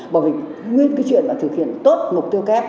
bởi vì nguyên cái chuyện là thực hiện tốt mục tiêu kép